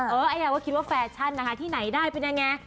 เออไอ้หน่าว่าคิดว่าแฟชั่นที่ไหนได้เป็นยังไง